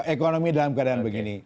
ekonomi dalam keadaan begini